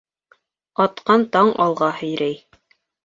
Атҡан таң алға һөйрәй